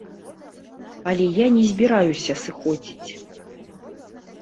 Але я не збіраюся сыходзіць.